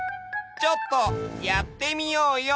ちょっとやってみようよ！